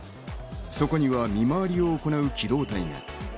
そこには見回りを行う機動隊が。